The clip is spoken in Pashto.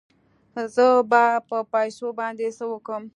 زه به په پيسو باندې څه وکم.